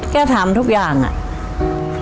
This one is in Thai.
ทำทุกอย่างอะ